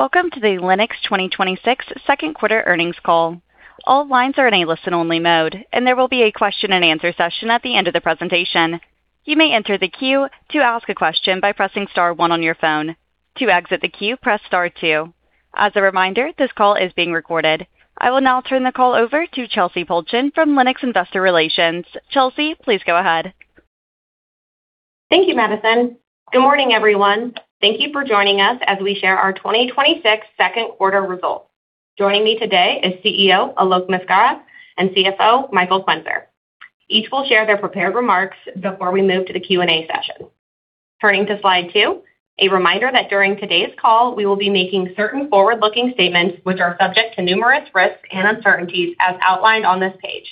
Welcome to the Lennox 2026 second quarter earnings call. All lines are in a listen-only mode, and there will be a question-and-answer session at the end of the presentation. You may enter the queue to ask a question by pressing star one on your phone. To exit the queue, press star two. As a reminder, this call is being recorded. I will now turn the call over to Chelsey Pulcheon from Lennox Investor Relations. Chelsey, please go ahead. Thank you, Madison. Good morning, everyone. Thank you for joining us as we share our 2026 second quarter results. Joining me today is CEO Alok Maskara and CFO Michael Quenzer. Each will share their prepared remarks before we move to the Q&A session. Turning to slide two, a reminder that during today's call, we will be making certain forward-looking statements which are subject to numerous risks and uncertainties as outlined on this page.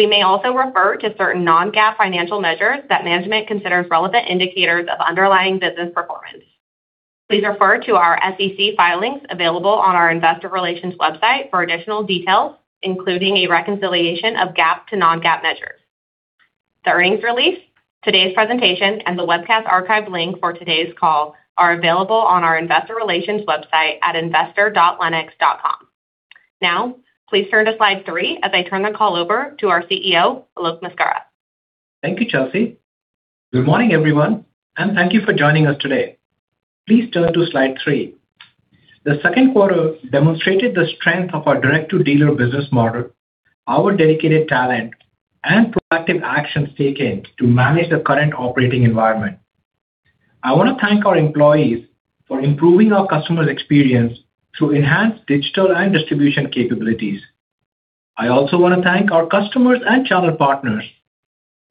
We may also refer to certain non-GAAP financial measures that management considers relevant indicators of underlying business performance. Please refer to our SEC filings available on our Investor Relations website for additional details, including a reconciliation of GAAP to non-GAAP measures. The earnings release, today's presentation, and the webcast archive link for today's call are available on our Investor Relations website at investor.lennox.com. Please turn to slide three as I turn the call over to our CEO, Alok Maskara. Thank you, Chelsey. Good morning, everyone, thank you for joining us today. Please turn to slide three. The second quarter demonstrated the strength of our direct-to-dealer business model, our dedicated talent, and proactive actions taken to manage the current operating environment. I want to thank our employees for improving our customer's experience through enhanced digital and distribution capabilities. I also want to thank our customers and channel partners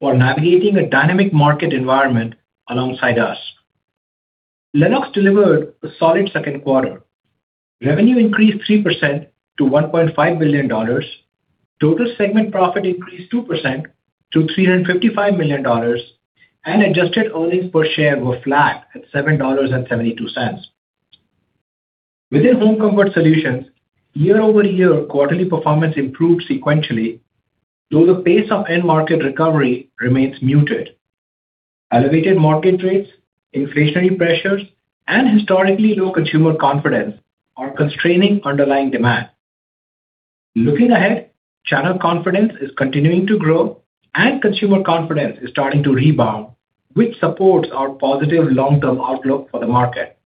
for navigating a dynamic market environment alongside us. Lennox delivered a solid second quarter. Revenue increased 3% to $1.5 billion. Total segment profit increased 2% to $355 million, and adjusted earnings per share were flat at $7.72. Within Home Comfort Solutions, year-over-year quarterly performance improved sequentially, though the pace of end market recovery remains muted. Elevated mortgage rates, inflationary pressures, and historically low consumer confidence are constraining underlying demand. Looking ahead, channel confidence is continuing to grow, and consumer confidence is starting to rebound, which supports our positive long-term outlook for the market.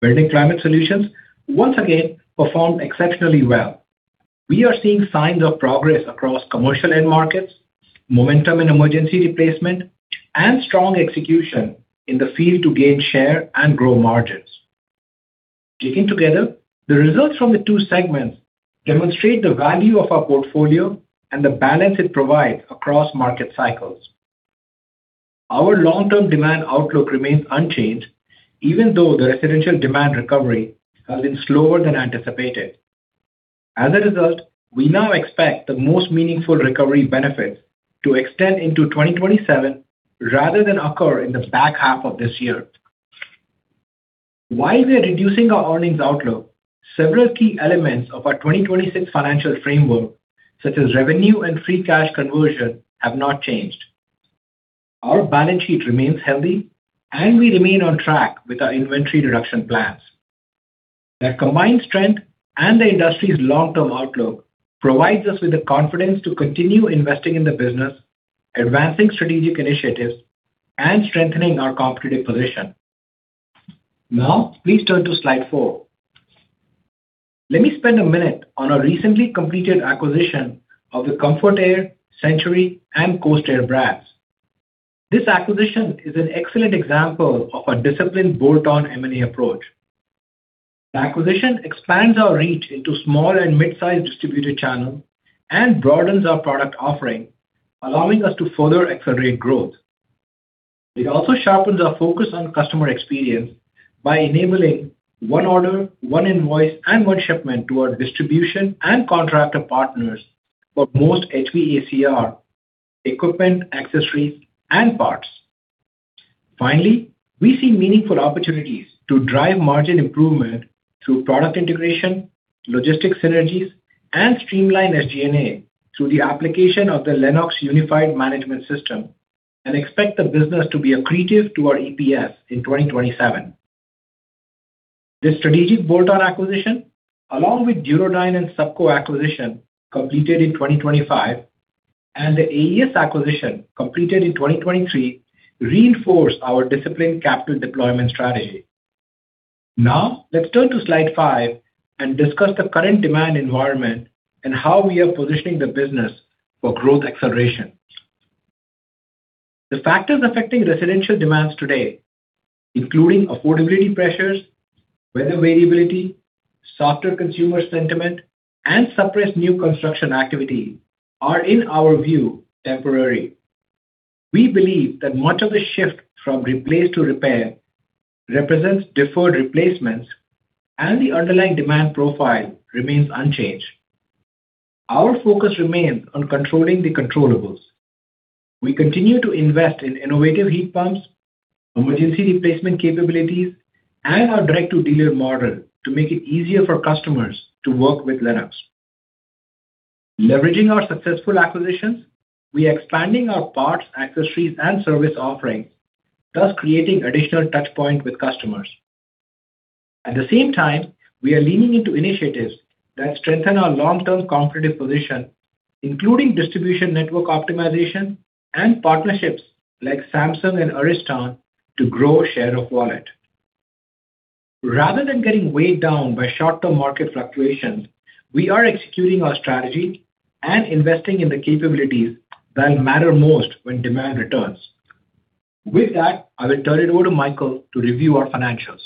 Building Climate Solutions, once again, performed exceptionally well. We are seeing signs of progress across commercial end markets, momentum in emergency replacement, and strong execution in the field to gain share and grow margins. Taken together, the results from the two segments demonstrate the value of our portfolio and the balance it provides across market cycles. Our long-term demand outlook remains unchanged, even though the residential demand recovery has been slower than anticipated. As a result, we now expect the most meaningful recovery benefits to extend into 2027 rather than occur in the back half of this year. While we are reducing our earnings outlook, several key elements of our 2026 financial framework, such as revenue and free cash conversion, have not changed. Our balance sheet remains healthy, and we remain on track with our inventory reduction plans. Their combined strength and the industry's long-term outlook provides us with the confidence to continue investing in the business, advancing strategic initiatives, and strengthening our competitive position. Now, please turn to slide four. Let me spend a minute on our recently completed acquisition of the Comfort-Aire, Century, and Coast Air brands. This acquisition is an excellent example of a disciplined bolt-on M&A approach. The acquisition expands our reach into small and mid-size distributor channel and broadens our product offering, allowing us to further accelerate growth. It also sharpens our focus on customer experience by enabling one order, one invoice, and one shipment to our distribution and contractor partners for most HVACR equipment, accessories, and parts. Finally, we see meaningful opportunities to drive margin improvement through product integration, logistic synergies, and streamline SG&A through the application of the Lennox Unified Management System and expect the business to be accretive to our EPS in 2027. This strategic bolt-on acquisition, along with Duro Dyne and Supco acquisition completed in 2025 and the AES acquisition completed in 2023, reinforce our disciplined capital deployment strategy. Now, let's turn to slide five and discuss the current demand environment and how we are positioning the business for growth acceleration. The factors affecting residential demands today, including affordability pressures, weather variability, softer consumer sentiment, and suppressed new construction activity, are, in our view, temporary. We believe that much of the shift from replace to repair represents deferred replacements and the underlying demand profile remains unchanged. Our focus remains on controlling the controllables. We continue to invest in innovative heat pumps, emergency replacement capabilities, and our direct-to-dealer model to make it easier for customers to work with Lennox. Leveraging our successful acquisitions, we are expanding our parts, accessories, and service offerings, thus creating additional touch points with customers. At the same time, we are leaning into initiatives that strengthen our long-term competitive position, including distribution network optimization and partnerships like Samsung and Ariston to grow share of wallet. Rather than getting weighed down by short-term market fluctuations, we are executing our strategy and investing in the capabilities that matter most when demand returns. With that, I will turn it over to Michael to review our financials.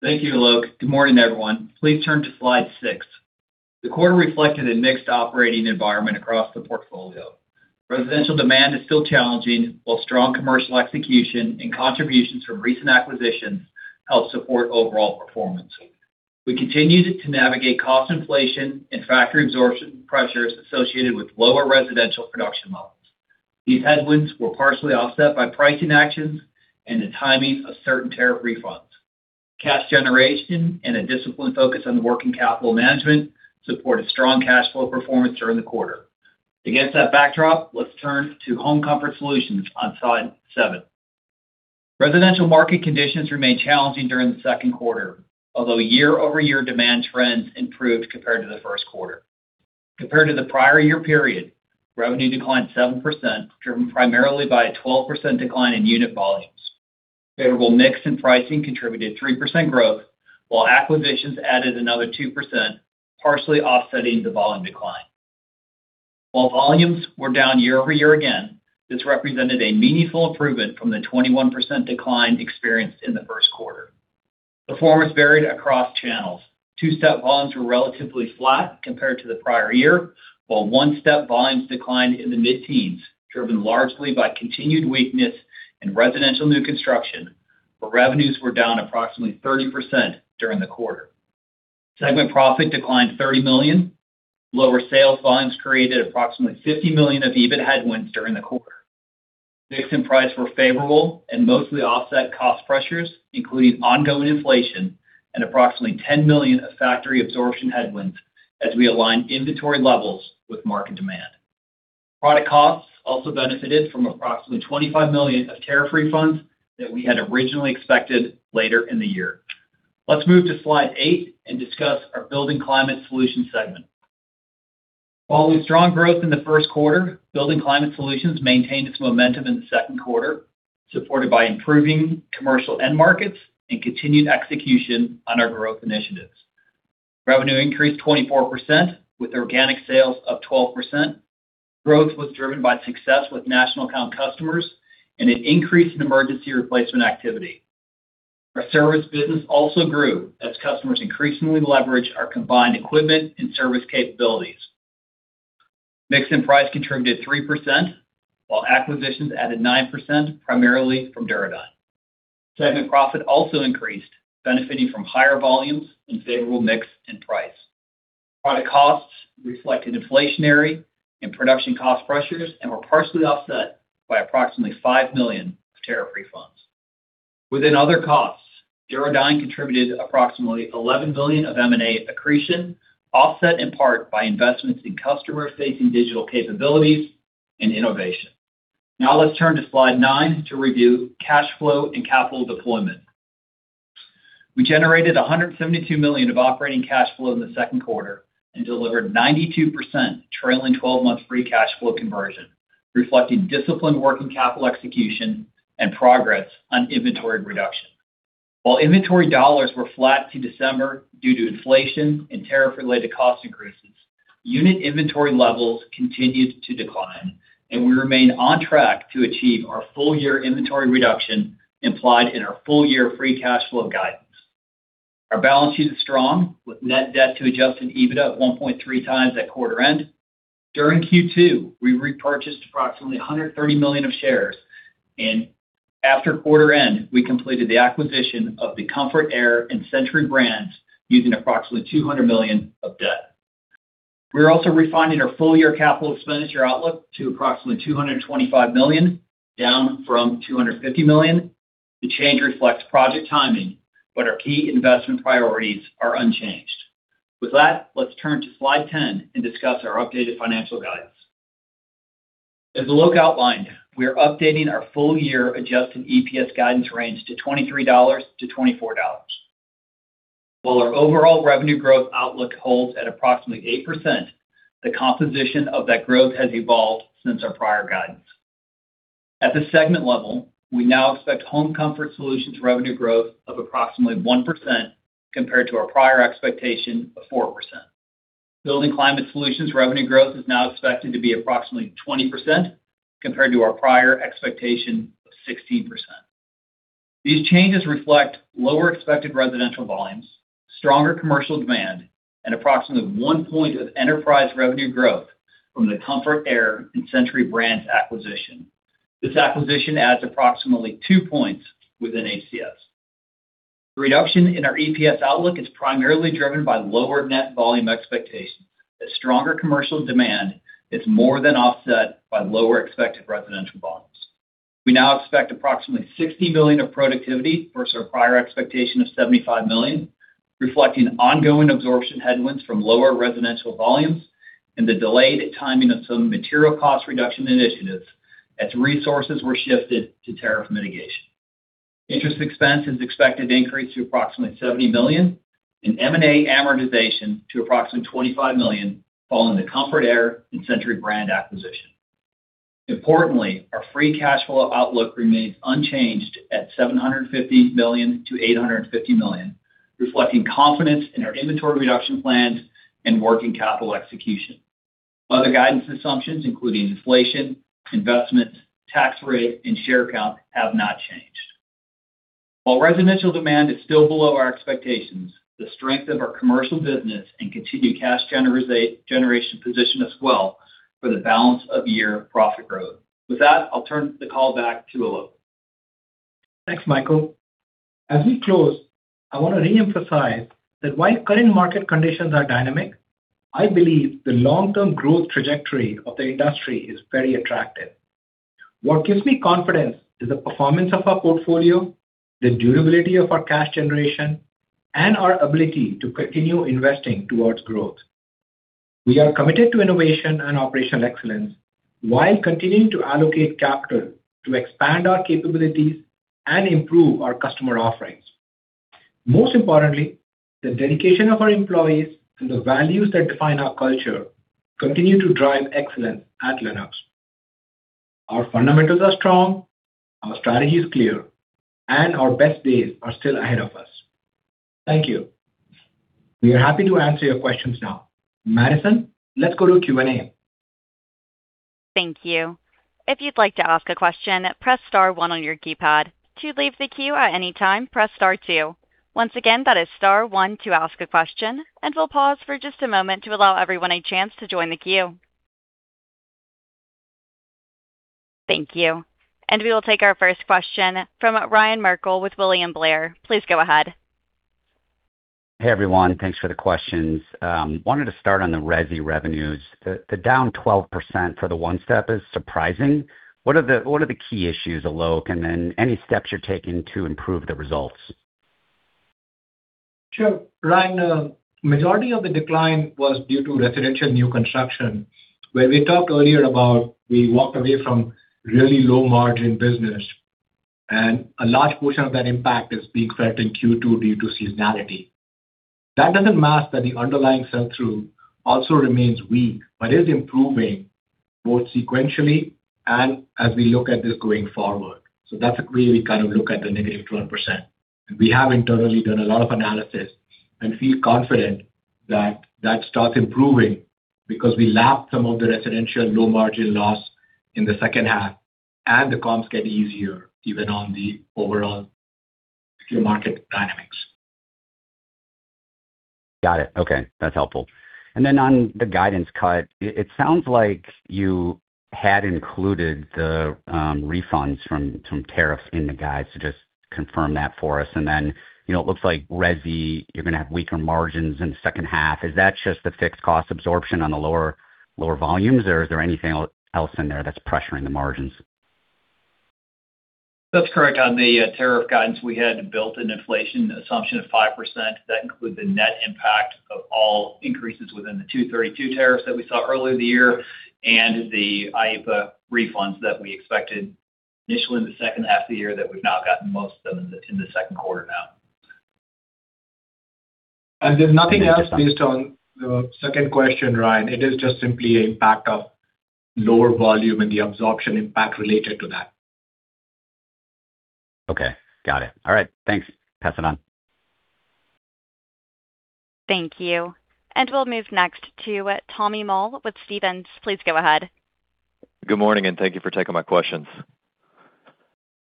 Thank you, Alok. Good morning, everyone. Please turn to slide six. The quarter reflected a mixed operating environment across the portfolio. Residential demand is still challenging, while strong commercial execution and contributions from recent acquisitions helped support overall performance. We continue to navigate cost inflation and factory absorption pressures associated with lower residential production levels. These headwinds were partially offset by pricing actions and the timing of certain tariff refunds. Cash generation and a disciplined focus on the working capital management supported strong cash flow performance during the quarter. Against that backdrop, let's turn to Home Comfort Solutions on slide seven. Residential market conditions remained challenging during the second quarter, although year-over-year demand trends improved compared to the first quarter. Compared to the prior year period, revenue declined 7%, driven primarily by a 12% decline in unit volumes. Favorable mix and pricing contributed 3% growth, while acquisitions added another 2%, partially offsetting the volume decline. While volumes were down year-over-year again, this represented a meaningful improvement from the 21% decline experienced in the first quarter. Performance varied across channels. Two-step volumes were relatively flat compared to the prior year, while one-step volumes declined in the mid-teens, driven largely by continued weakness in residential new construction, where revenues were down approximately 30% during the quarter. Segment profit declined $30 million. Lower sales volumes created approximately $50 million of EBIT headwinds during the quarter. Mix and price were favorable and mostly offset cost pressures, including ongoing inflation and approximately $10 million of factory absorption headwinds as we align inventory levels with market demand. Product costs also benefited from approximately $25 million of tariff refunds that we had originally expected later in the year. Let's move to slide eight and discuss our Building Climate Solutions segment. Following strong growth in the first quarter, Building Climate Solutions maintained its momentum in the second quarter, supported by improving commercial end markets and continued execution on our growth initiatives. Revenue increased 24% with organic sales up 12%. Growth was driven by success with national account customers and an increase in emergency replacement activity. Our service business also grew as customers increasingly leverage our combined equipment and service capabilities. Mix and price contributed 3%, while acquisitions added 9%, primarily from Duro Dyne. Segment profit also increased, benefiting from higher volumes and favorable mix in price. Product costs reflected inflationary and production cost pressures and were partially offset by approximately $5 million of tariff refunds. Within other costs, Duro Dyne contributed approximately $11 million of M&A accretion, offset in part by investments in customer-facing digital capabilities and innovation. Let's turn to slide nine to review cash flow and capital deployment. We generated $172 million of operating cash flow in the second quarter and delivered 92% trailing 12-month free cash flow conversion, reflecting disciplined working capital execution and progress on inventory reduction. While inventory dollars were flat to December due to inflation and tariff-related cost increases, unit inventory levels continued to decline, and we remain on track to achieve our full-year inventory reduction implied in our full-year free cash flow guidance. Our balance sheet is strong, with net debt to adjusted EBITDA at 1.3 times at quarter end. During Q2, we repurchased approximately $130 million of shares, and after quarter end, we completed the acquisition of the Comfort-Aire and Century brands using approximately $200 million of debt. We are also refining our full-year capital expenditure outlook to approximately $225 million, down from $250 million. The change reflects project timing, our key investment priorities are unchanged. With that, let's turn to slide 10 and discuss our updated financial guidance. As Alok outlined, we are updating our full-year adjusted EPS guidance range to $23-$24. While our overall revenue growth outlook holds at approximately 8%, the composition of that growth has evolved since our prior guidance. At the segment level, we now expect Home Comfort Solutions revenue growth of approximately 1% compared to our prior expectation of 4%. Building Climate Solutions revenue growth is now expected to be approximately 20% compared to our prior expectation of 16%. These changes reflect lower expected residential volumes, stronger commercial demand, and approximately one point of enterprise revenue growth from the Comfort-Aire and Century brands acquisition. This acquisition adds approximately two points within ACS. The reduction in our EPS outlook is primarily driven by lower net volume expectations, as stronger commercial demand is more than offset by lower expected residential volumes. We now expect approximately $60 million of productivity versus our prior expectation of $75 million, reflecting ongoing absorption headwinds from lower residential volumes and the delayed timing of some material cost reduction initiatives as resources were shifted to tariff mitigation. Interest expense is expected to increase to approximately $70 million, and M&A amortization to approximately $25 million, following the Comfort-Aire and Century brands acquisition. Importantly, our free cash flow outlook remains unchanged at $750 million-$850 million, reflecting confidence in our inventory reduction plans and working capital execution. Other guidance assumptions, including inflation, investments, tax rate, and share count, have not changed. While residential demand is still below our expectations, the strength of our commercial business and continued cash generation position us well for the balance of year profit growth. With that, I'll turn the call back to Alok. Thanks, Michael. As we close, I want to reemphasize that while current market conditions are dynamic, I believe the long-term growth trajectory of the industry is very attractive. What gives me confidence is the performance of our portfolio, the durability of our cash generation, and our ability to continue investing towards growth. We are committed to innovation and operational excellence while continuing to allocate capital to expand our capabilities and improve our customer offerings. Most importantly, the dedication of our employees and the values that define our culture continue to drive excellence at Lennox. Our fundamentals are strong, our strategy is clear, our best days are still ahead of us. Thank you. We are happy to answer your questions now. Madison, let's go to Q&A. Thank you. If you'd like to ask a question, press star one on your keypad. To leave the queue at any time, press star two. Once again, that is star one to ask a question, and we'll pause for just a moment to allow everyone a chance to join the queue. Thank you. We will take our first question from Ryan Merkel with William Blair. Please go ahead. Hey, everyone. Thanks for the questions. Wanted to start on the resi revenues. The down 12% for the one-step is surprising. What are the key issues, Alok, and then any steps you're taking to improve the results? Sure, Ryan. Majority of the decline was due to residential new construction, where we talked earlier about we walked away from really low-margin business, and a large portion of that impact is being felt in Q2 due to seasonality. That doesn't mask that the underlying sell-through also remains weak, but is improving both sequentially and as we look at this going forward. That's agree, we kind of look at the negative 12%. We have internally done a lot of analysis and feel confident that that starts improving because we lap some of the residential low margin loss in the second half, and the comps get easier even on the overall secure market dynamics. Got it. Okay. That's helpful. On the guidance cut, it sounds like you had included the refunds from tariffs in the guide. Just confirm that for us, and then it looks like resi, you're going to have weaker margins in the second half. Is that just the fixed cost absorption on the lower volumes, or is there anything else in there that's pressuring the margins? That's correct. On the tariff guidance, we had built an inflation assumption of 5%. That includes the net impact of all increases within the 232 tariffs that we saw earlier in the year and the IEEPA refunds that we expected initially in the second half of the year that we've now gotten most of in the second quarter now. There's nothing else based on the second question, Ryan. It is just simply impact of lower volume and the absorption impact related to that. Okay. Got it. All right. Thanks. Pass it on. Thank you. We'll move next to Tommy Moll with Stephens. Please go ahead. Good morning, thank you for taking my questions.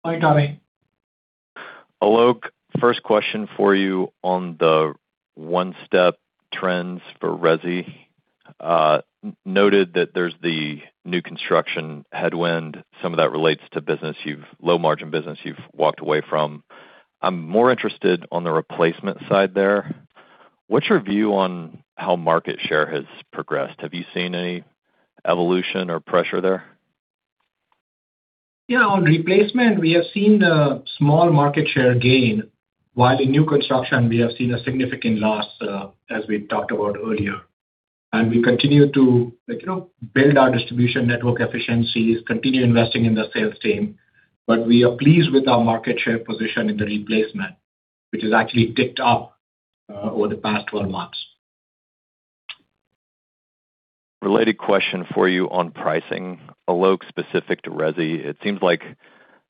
Hi, Tommy. Alok, first question for you on the one-step trends for resi. Noted that there's the new construction headwind. Some of that relates to low margin business you've walked away from. I'm more interested on the replacement side there. What's your view on how market share has progressed? Have you seen any evolution or pressure there? Yeah. On replacement, we have seen a small market share gain, while in new construction we have seen a significant loss, as we talked about earlier. We continue to build our distribution network efficiencies, continue investing in the sales team. We are pleased with our market share position in the replacement, which has actually ticked up over the past 12 months. Related question for you on pricing, Alok, specific to resi. It seems like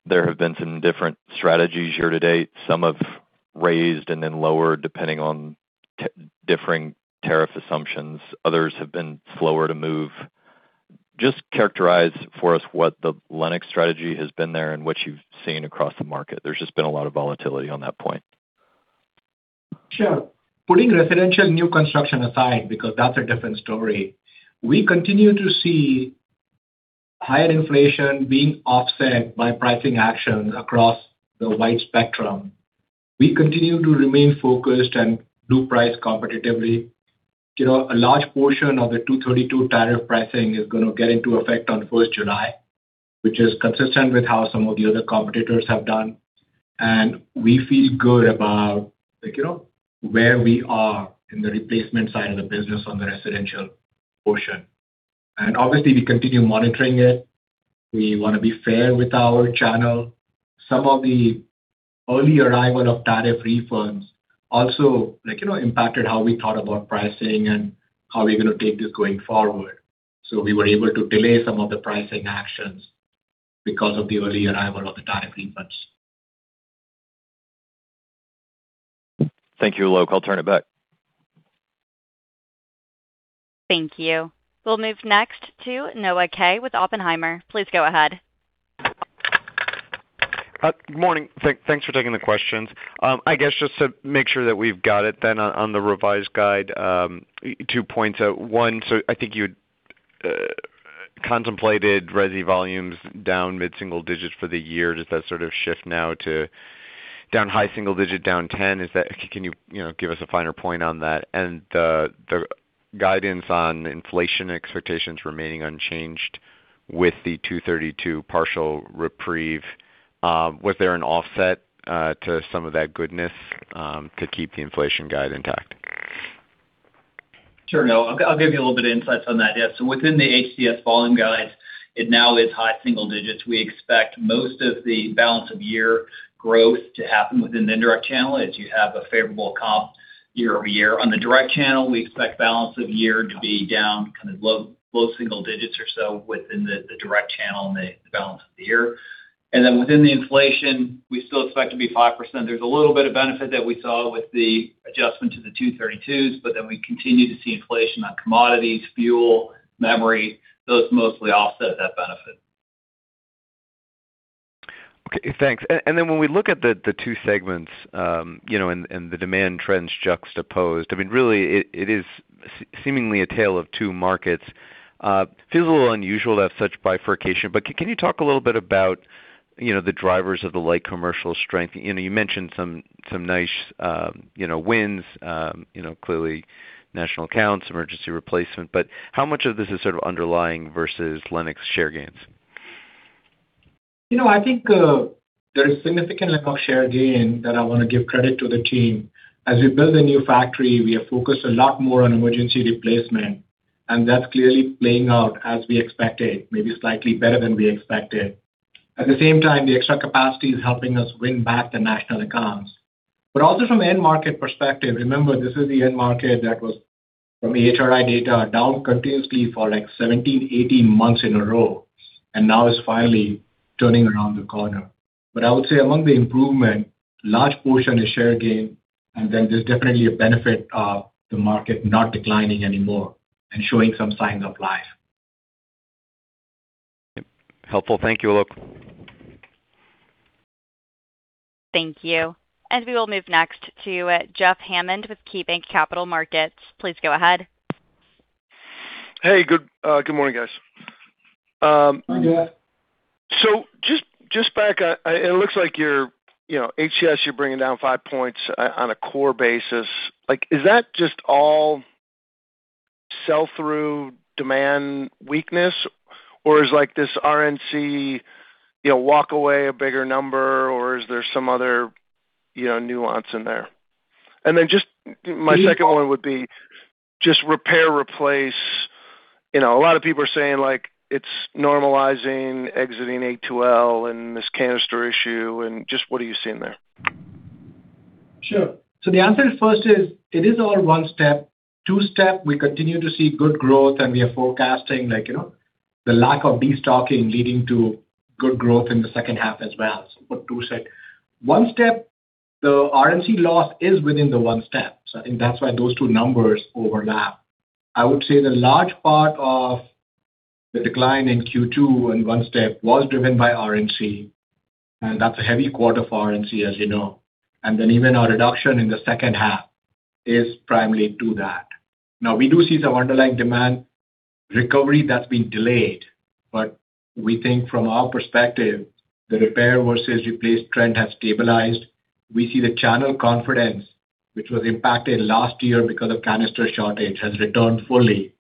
there have been some different strategies year to date. Some have raised and then lowered depending on differing tariff assumptions. Others have been slower to move. Just characterize for us what the Lennox strategy has been there and what you've seen across the market. There's just been a lot of volatility on that point. Sure. Putting residential new construction aside, because that's a different story, we continue to see higher inflation being offset by pricing action across the wide spectrum. We continue to remain focused and do price competitively. A large portion of the 232 tariff pricing is going to get into effect on 1st July, which is consistent with how some of the other competitors have done. We feel good about where we are in the replacement side of the business on the residential portion. Obviously, we continue monitoring it. We want to be fair with our channel. Some of the early arrival of tariff refunds also impacted how we thought about pricing and how we're going to take this going forward. We were able to delay some of the pricing actions because of the early arrival of the tariff refunds. Thank you, Alok. I'll turn it back. Thank you. We'll move next to Noah Kaye with Oppenheimer. Please go ahead. Good morning. Thanks for taking the questions. Just to make sure that we've got it on the revised guide, two points. One, I think you contemplated resi volumes down mid-single digits for the year. Does that sort of shift now to down high single digit, down 10%? Can you give us a finer point on that? The guidance on inflation expectations remaining unchanged with the Section 232 partial reprieve, was there an offset to some of that goodness to keep the inflation guide intact? Sure, Noah, I'll give you a little bit of insights on that. Within the HCS volume guides, it now is high single digits. We expect most of the balance of year growth to happen within the indirect channel as you have a favorable comp year-over-year. On the direct channel, we expect balance of year to be down low single digits or so within the direct channel in the balance of the year. Within the inflation, we still expect to be 5%. There's a little bit of benefit that we saw with the adjustment to the Section 232s, we continue to see inflation on commodities, fuel, memory. Those mostly offset that benefit. Okay, thanks. When we look at the two segments and the demand trends juxtaposed, really it is seemingly a tale of two markets. Feels a little unusual to have such bifurcation, can you talk a little bit about the drivers of the light commercial strength? You mentioned some nice wins, clearly national accounts, emergency replacement, how much of this is sort of underlying versus Lennox share gains? I think there is significant Lennox share gain that I want to give credit to the team. As we build a new factory, we are focused a lot more on emergency replacement, that's clearly playing out as we expected, maybe slightly better than we expected. At the same time, the extra capacity is helping us win back the national accounts. From end market perspective, remember, this is the end market that was from the AHRI data down continuously for 17, 18 months in a row now is finally turning around the corner. I would say among the improvement, large portion is share gain, there's definitely a benefit of the market not declining anymore and showing some signs of life. Yep. Helpful. Thank you, Alok. Thank you. We will move next to Jeff Hammond with KeyBanc Capital Markets. Please go ahead. Hey, good morning, guys. Morning, Jeff. Just back, it looks like HCS, you're bringing down five points on a core basis. Is that just all sell-through demand weakness, or is this RNC walk away a bigger number, or is there some other nuance in there? My second one would be just repair, replace. A lot of people are saying it's normalizing exiting A2L and this canister issue and just what are you seeing there? Sure. The answer first is, it is all one step. Two step, we continue to see good growth, and we are forecasting the lack of destocking leading to good growth in the second half as well. For two step. One step, the RNC loss is within the one step. I think that's why those two numbers overlap. I would say the large part of the decline in Q2 in one step was driven by RNC, and that's a heavy quarter for RNC, as you know. Even our reduction in the second half is primarily due to that. We do see some underlying demand recovery that's been delayed, we think from our perspective, the repair versus replace trend has stabilized. We see the channel confidence, which was impacted last year because of canister shortage, has returned fully.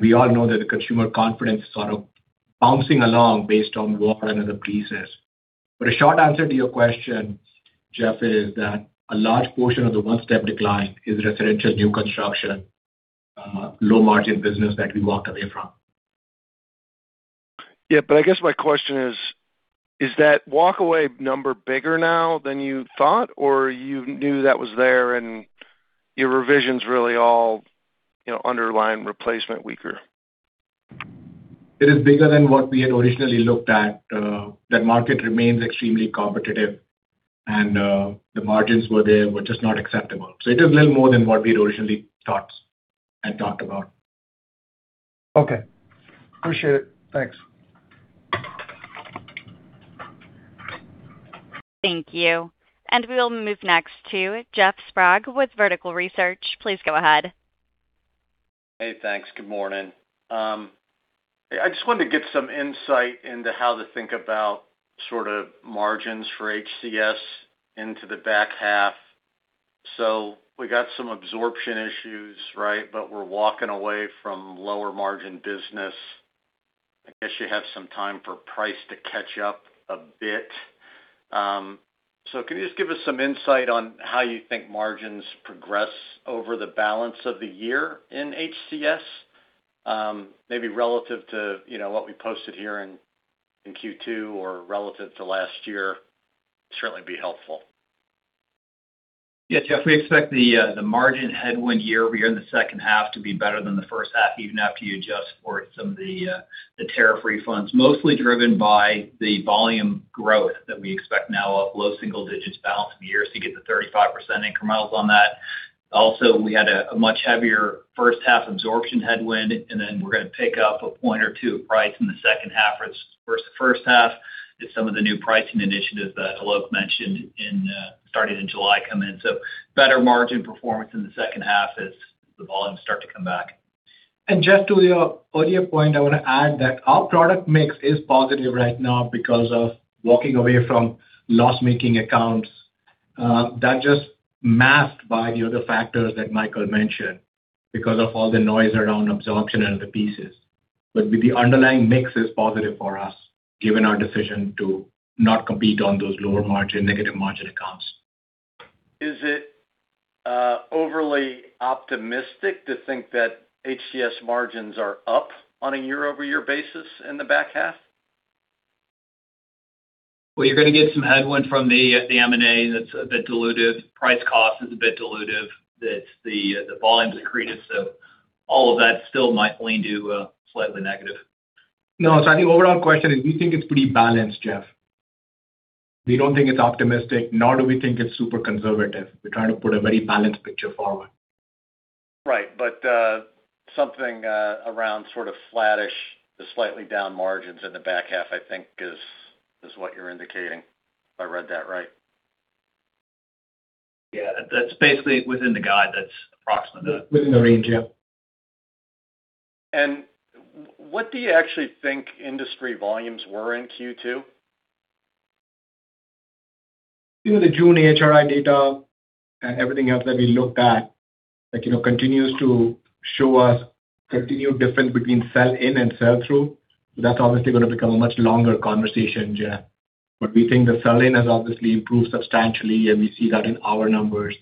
We all know that the consumer confidence sort of bouncing along based on war and other pieces. A short answer to your question, Jeff, is that a large portion of the one-step decline is residential new construction, low margin business that we walked away from. I guess my question is that walk away number bigger now than you thought, or you knew that was there and your revision's really all underlying replacement weaker? It is bigger than what we had originally looked at. That market remains extremely competitive. The margins were just not acceptable. It is a little more than what we had originally thought and talked about. Okay. Appreciate it. Thanks. Thank you. We will move next to Jeff Sprague with Vertical Research. Please go ahead. Hey, thanks. Good morning. I just wanted to get some insight into how to think about margins for HCS into the back half. We got some absorption issues, right? We're walking away from lower margin business. I guess you have some time for price to catch up a bit. Can you just give us some insight on how you think margins progress over the balance of the year in HCS? Maybe relative to what we posted here in Q2 or relative to last year, certainly be helpful. Yeah, Jeff, we expect the margin headwind year-over-year in the second half to be better than the first half, even after you adjust for some of the tariff refunds, mostly driven by the volume growth that we expect now of low single digits balance of the year, so you get the 35% incremental on that. Also, we had a much heavier first half absorption headwind, we're going to pick up a point or two of price in the second half versus the first half as some of the new pricing initiatives that Alok mentioned starting in July come in. Better margin performance in the second half as the volumes start to come back. Jeff, to your earlier point, I want to add that our product mix is positive right now because of walking away from loss-making accounts. That just masked by the other factors that Michael mentioned because of all the noise around absorption and the pieces. The underlying mix is positive for us given our decision to not compete on those lower margin, negative margin accounts. Is it overly optimistic to think that HCS margins are up on a year-over-year basis in the back half? Well, you're going to get some headwind from the M&A that's a bit dilutive. Price cost is a bit dilutive. The volumes are accretive. All of that still might lean to slightly negative. No. I think overall question is we think it's pretty balanced, Jeff. We don't think it's optimistic, nor do we think it's super conservative. We're trying to put a very balanced picture forward. Right. Something around sort of flattish to slightly down margins in the back half, I think is what you're indicating, if I read that right. Yeah. That's basically within the guide, that's approximate. Within the range, yeah. What do you actually think industry volumes were in Q2? The June AHRI data and everything else that we looked at continues to show us continued difference between sell in and sell through. That's obviously going to become a much longer conversation, Jeff, but we think the sell in has obviously improved substantially, and we see that in our numbers.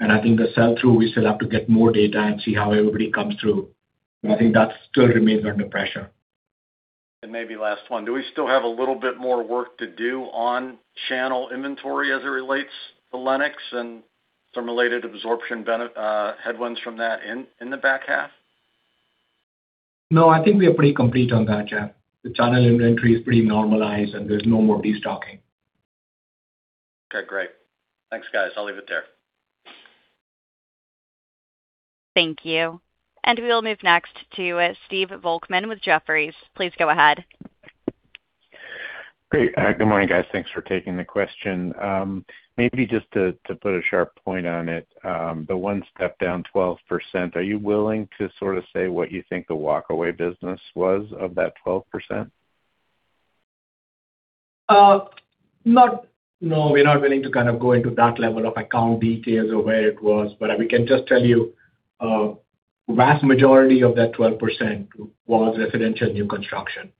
I think the sell through, we still have to get more data and see how everybody comes through. I think that still remains under pressure. Maybe last one. Do we still have a little bit more work to do on channel inventory as it relates to Lennox and some related absorption headwinds from that in the back half? No, I think we are pretty complete on that, Jeff. The channel inventory is pretty normalized, and there's no more destocking. Okay, great. Thanks, guys. I'll leave it there. Thank you. We will move next to Stephen Volkmann with Jefferies. Please go ahead. Great. Good morning, guys. Thanks for taking the question. Maybe just to put a sharp point on it, the one step down 12%, are you willing to sort of say what you think the walk away business was of that 12%? No, we're not willing to go into that level of account details of where it was, but we can just tell you, vast majority of that 12% was residential new construction.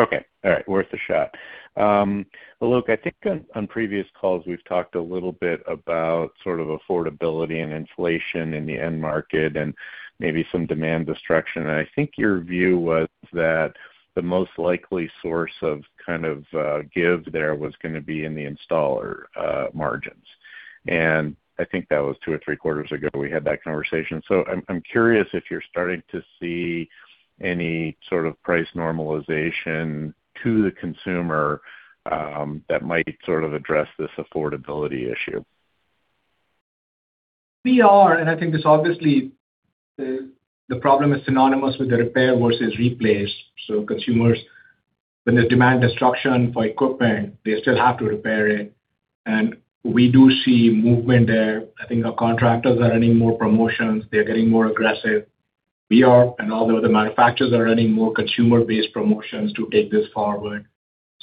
Okay. All right. Worth a shot. Alok, I think on previous calls we've talked a little bit about sort of affordability and inflation in the end market and maybe some demand destruction. I think your view was that the most likely source of give there was going to be in the installer margins. I think that was two or three quarters ago we had that conversation. I'm curious if you're starting to see any sort of price normalization to the consumer that might sort of address this affordability issue. We are. I think this obviously, the problem is synonymous with the repair versus replace. Consumers, when there's demand destruction for equipment, they still have to repair it. We do see movement there. I think our contractors are running more promotions. They're getting more aggressive. We are. All the other manufacturers are running more consumer-based promotions to take this forward.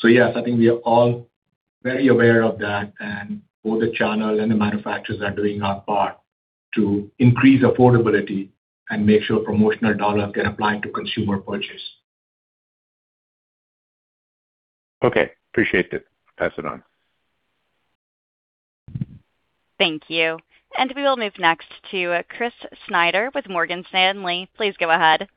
Yes, I think we are all very aware of that and both the channel and the manufacturers are doing our part to increase affordability and make sure promotional dollars get applied to consumer purchase. Okay. Appreciate it. Pass it on. Thank you. We will move next to Chris Snyder with Morgan Stanley. Please go ahead.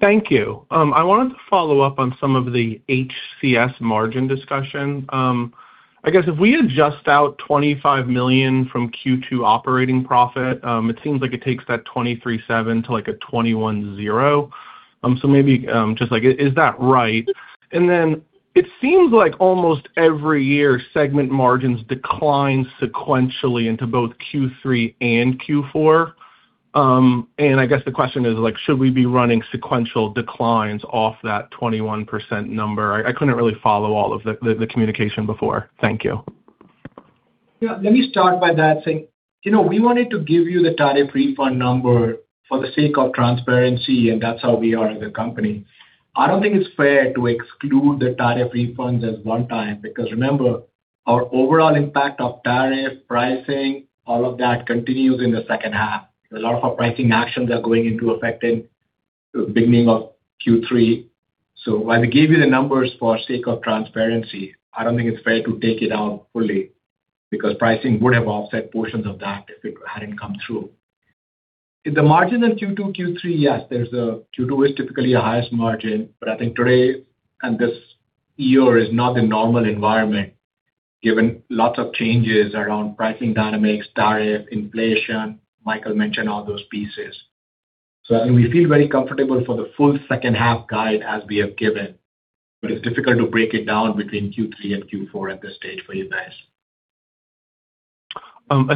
Thank you. I wanted to follow up on some of the HCS margin discussion. I guess if we adjust out $25 million from Q2 operating profit, it seems like it takes that 23.7% to a 21.0%. Maybe, just like, is that right? It seems like almost every year, segment margins decline sequentially into both Q3 and Q4. I guess the question is should we be running sequential declines off that 21% number? I couldn't really follow all of the communication before. Thank you. Let me start by that saying, we wanted to give you the tariff refund number for the sake of transparency, that's how we are as a company. I don't think it's fair to exclude the tariff refunds as one-time, remember, our overall impact of tariff pricing, all of that continues in the second half. A lot of our pricing actions are going into effect in the beginning of Q3. While we give you the numbers for sake of transparency, I don't think it's fair to take it out fully pricing would have offset portions of that if it hadn't come through. In the margin in Q2, Q3, yes, Q2 is typically a highest margin. I think today, and this year is not the normal environment, given lots of changes around pricing dynamics, tariff, inflation. Michael mentioned all those pieces. I mean, we feel very comfortable for the full second half guide as we have given, it's difficult to break it down between Q3 and Q4 at this stage for you guys.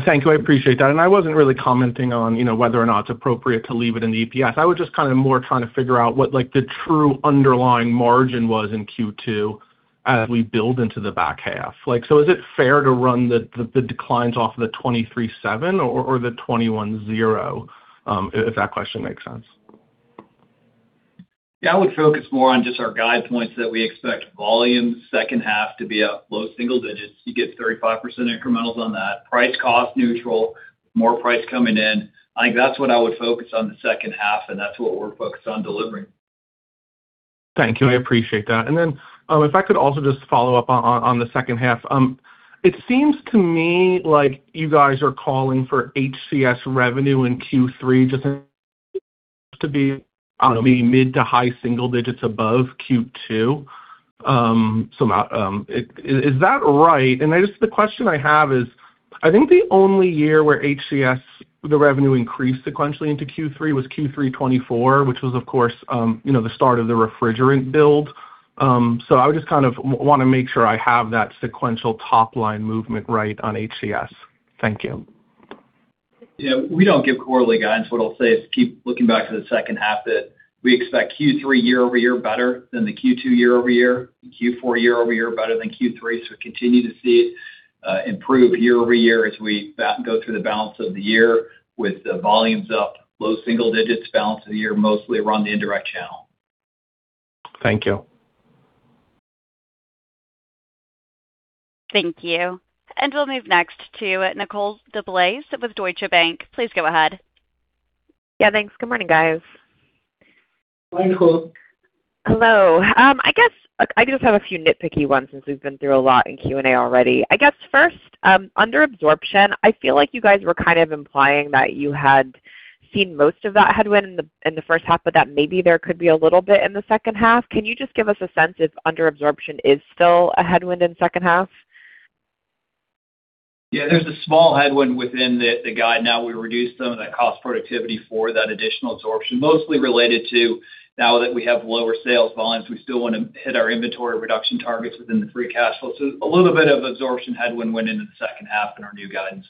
Thank you. I appreciate that. I wasn't really commenting on whether or not it's appropriate to leave it in the EPS. I was just kind of more trying to figure out what the true underlying margin was in Q2 as we build into the back half. Is it fair to run the declines off of the 23.7% or the 21.0%? If that question makes sense. Yeah, I would focus more on just our guide points that we expect volumes second half to be up low single digits. You get 35% incremental on that. Price cost neutral, more price coming in. I think that's what I would focus on the second half, and that's what we're focused on delivering. Thank you. I appreciate that. If I could also just follow up on the second half. It seems to me like you guys are calling for HCS revenue in Q3 just to be mid to high single digits above Q2. Is that right? I guess the question I have is, I think the only year where HCS, the revenue increased sequentially into Q3 was Q3 2024, which was of course the start of the refrigerant build. I would just kind of want to make sure I have that sequential top line movement right on HCS. Thank you. Yeah, we don't give quarterly guidance. What I'll say is keep looking back to the second half that we expect Q3 year-over-year better than the Q2 year-over-year, Q4 year-over-year better than Q3. Continue to see it improve year-over-year as we go through the balance of the year with the volumes up low single digits balance of the year, mostly around the indirect channel. Thank you. Thank you. We'll move next to Nicole DeBlase with Deutsche Bank. Please go ahead. Yeah, thanks. Good morning, guys. Hi, Nicole. Hello. I guess I just have a few nitpicky ones since we've been through a lot in Q&A already. I guess first, under absorption, I feel like you guys were kind of implying that you had seen most of that headwind in the first half of that. Maybe there could be a little bit in the second half. Can you just give us a sense if under absorption is still a headwind in second half? there's a small headwind within the guide now. We reduced some of that cost productivity for that additional absorption, mostly related to now that we have lower sales volumes, we still want to hit our inventory reduction targets within the free cash flow. A little bit of absorption headwind went into the second half in our new guidance.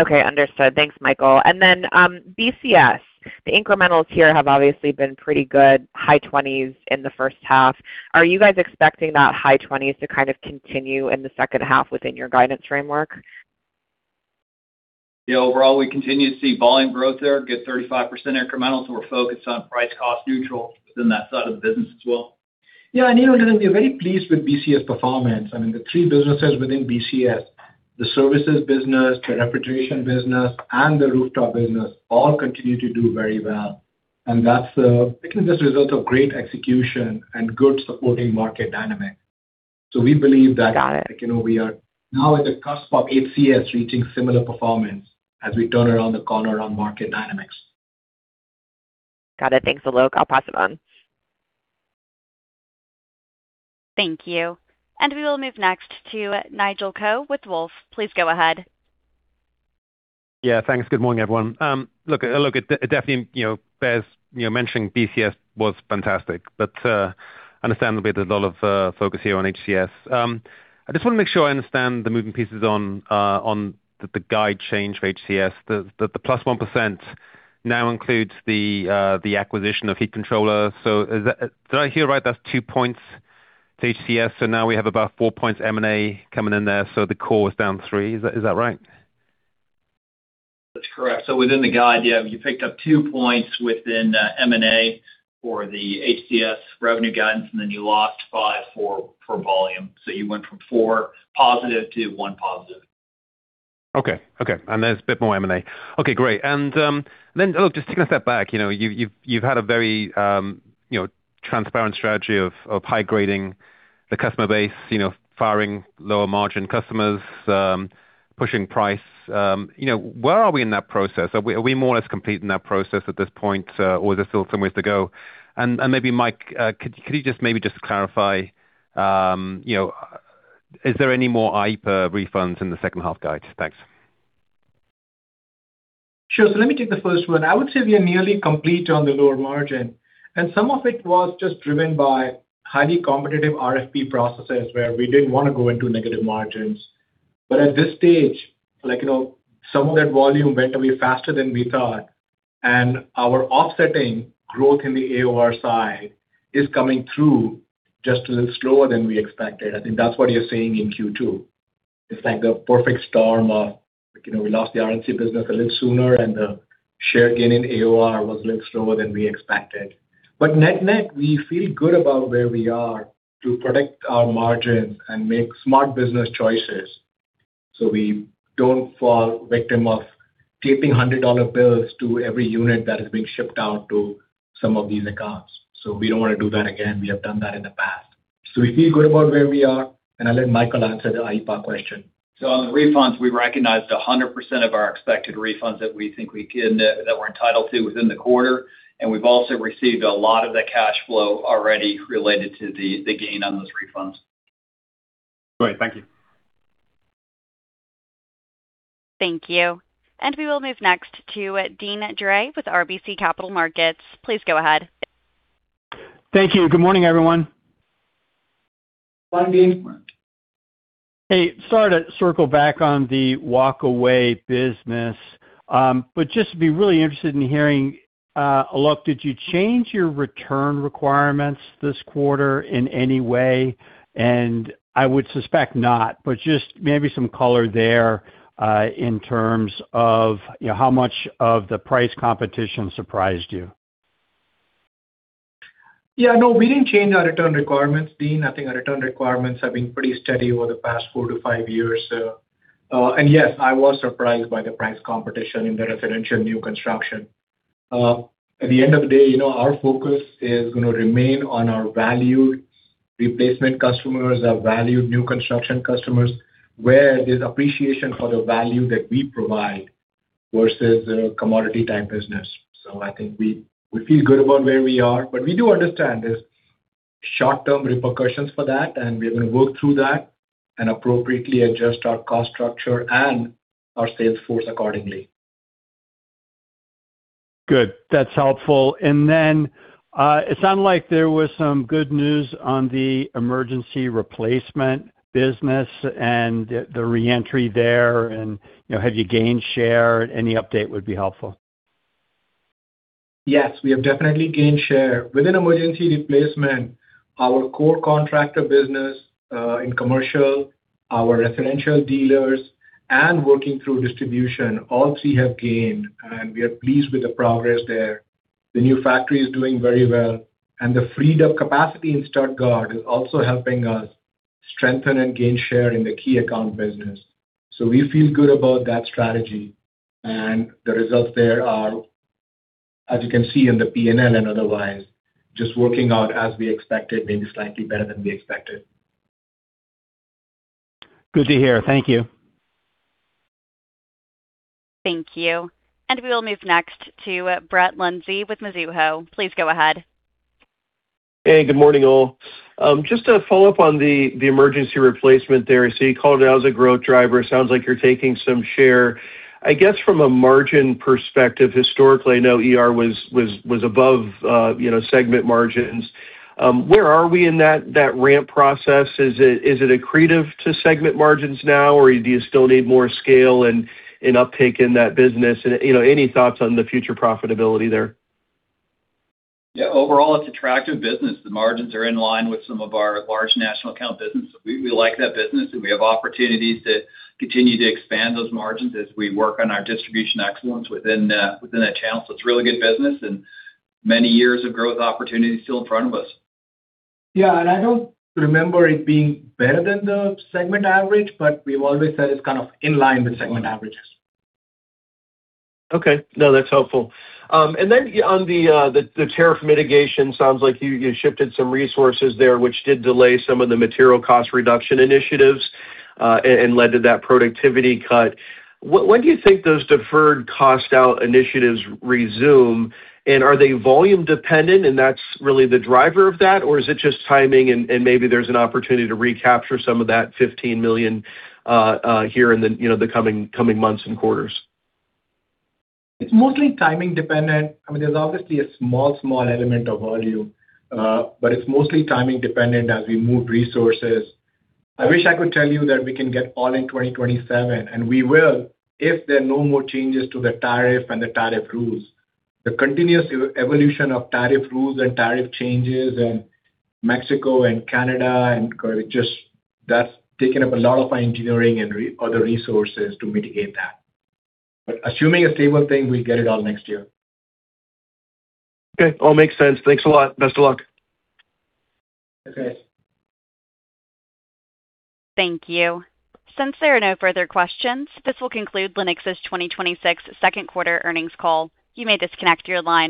Okay, understood. Thanks, Michael. BCS, the incremental here have obviously been pretty good, high 20s in the first half. Are you guys expecting that high 20s to kind of continue in the second half within your guidance framework? Overall, we continue to see volume growth there, get 35% incremental, we're focused on price cost neutral within that side of the business as well. I mean, we are very pleased with BCS performance. The three businesses within BCS, the services business, the refrigeration business, and the rooftop business all continue to do very well. That's particularly just a result of great execution and good supporting market dynamic. Got it. We are now at the cusp of HCS reaching similar performance as we turn around the corner on market dynamics. Got it. Thanks a lot. I'll pass it on. Thank you. We will move next to Nigel Coe with Wolfe. Please go ahead. Yeah, thanks. Good morning, everyone. Look, definitely, Baz mentioning BCS was fantastic, but understandably, there's a lot of focus here on HCS. I just want to make sure I understand the moving pieces on the guide change for HCS. The +1% now includes the acquisition of Heat Controller. Did I hear right? That's two points to HCS, so now we have about four points M&A coming in there, so the core is down three. Is that right? That's correct. Within the guide, you picked up two points within M&A for the HCS revenue guidance, and then you lost five for volume. You went from four positive to one positive. Okay. There's a bit more M&A. Okay, great. Look, just taking a step back, you've had a very transparent strategy of high grading the customer base, firing lower margin customers, pushing price. Where are we in that process? Are we more or less complete in that process at this point? Is there still some ways to go? Maybe Mike, could you just maybe just clarify, is there any more IEEPA refunds in the second half guide? Thanks. Sure. Let me take the first one. I would say we are nearly complete on the lower margin, and some of it was just driven by highly competitive RFP processes where we didn't want to go into negative margins. At this stage, some of that volume went away faster than we thought, and our offsetting growth in the AOR side is coming through just a little slower than we expected. I think that's what you're seeing in Q2. It's like the perfect storm of, we lost the RNC business a little sooner, and the share gain in AOR was a little slower than we expected. Net-net, we feel good about where we are to protect our margins and make smart business choices, so we don't fall victim of taping $100 bills to every unit that is being shipped out to some of these accounts. We don't want to do that again. We have done that in the past. We feel good about where we are, and I'll let Michael answer the IPA question. On the refunds, we recognized 100% of our expected refunds that we think we're entitled to within the quarter, and we've also received a lot of the cash flow already related to the gain on those refunds. Great. Thank you. Thank you. We will move next to Deane Dray with RBC Capital Markets. Please go ahead. Thank you. Good morning, everyone. Good morning. Morning. Hey, sorry to circle back on the walk-away business. Just would be really interested in hearing, Alok, did you change your return requirements this quarter in any way? I would suspect not, but just maybe some color there, in terms of how much of the price competition surprised you. No, we didn't change our return requirements, Deane. I think our return requirements have been pretty steady over the past four to five years. Yes, I was surprised by the price competition in the residential new construction. At the end of the day, our focus is going to remain on our valued replacement customers, our valued new construction customers, where there's appreciation for the value that we provide versus commodity type business. I think we feel good about where we are, but we do understand there's short-term repercussions for that, and we will work through that and appropriately adjust our cost structure and our sales force accordingly. Good. That's helpful. It sounded like there was some good news on the emergency replacement business and the re-entry there. Have you gained share? Any update would be helpful. Yes, we have definitely gained share. Within emergency replacement, our core contractor business, in commercial, our residential dealers, working through distribution, all three have gained. We are pleased with the progress there. The new factory is doing very well. The freed-up capacity in Stuttgart is also helping us strengthen and gain share in the key account business. We feel good about that strategy. The results there are, as you can see in the P&L and otherwise, just working out as we expected, maybe slightly better than we expected. Good to hear. Thank you. Thank you. We will move next to Brett Linzey with Mizuho. Please go ahead. Hey, good morning, all. Just to follow up on the emergency replacement there. You called it out as a growth driver. Sounds like you're taking some share. I guess from a margin perspective, historically, I know ER was above segment margins. Where are we in that ramp process? Is it accretive to segment margins now, or do you still need more scale and uptake in that business? Any thoughts on the future profitability there? Yeah, overall, it's attractive business. The margins are in line with some of our large national account business. We like that business, and we have opportunities to continue to expand those margins as we work on our distribution excellence within that channel. It's really good business and many years of growth opportunities still in front of us. Yeah. I don't remember it being better than the segment average, but we've always said it's kind of in line with segment averages. Okay. No, that's helpful. Then on the tariff mitigation, sounds like you shifted some resources there, which did delay some of the material cost reduction initiatives, and led to that productivity cut. When do you think those deferred cost out initiatives resume? Are they volume dependent and that's really the driver of that? Or is it just timing and maybe there's an opportunity to recapture some of that $15 million here in the coming months and quarters? It's mostly timing dependent. There's obviously a small element of volume, but it's mostly timing dependent as we move resources. I wish I could tell you that we can get all in 2027, and we will, if there are no more changes to the tariff and the tariff rules. The continuous evolution of tariff rules and tariff changes and Mexico and Canada and just that's taken up a lot of my engineering and other resources to mitigate that. Assuming a stable thing, we'll get it all next year. Okay. All makes sense. Thanks a lot. Best of luck. Okay. Thank you. Since there are no further questions, this will conclude Lennox's 2026 second quarter earnings call. You may disconnect your line.